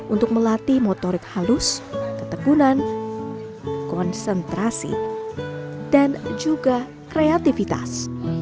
untuk melatih motorik halus ketekunan konsentrasi dan juga kreativitas